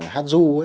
hát ru ấy